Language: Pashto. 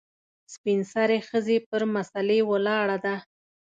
سپین سرې ښځه پر مسلې ولاړه ده .